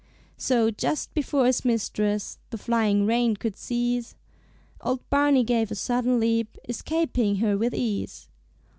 So, just before his mistress The flying rein could seize, Old Barney gave a sudden leap, Escaping her with ease.